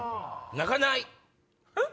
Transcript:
「泣かない！」。